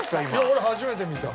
俺初めて見た。